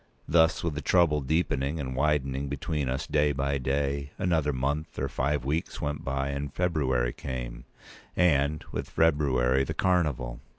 Thus, with the trouble deepening and widening between us day by day, another month or five weeks went by; and February came; and, with February, the Carnival.